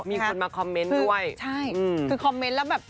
มีคนมาคอมเมนต์ด้วยใช่คือคอมเมนต์แล้วแบบ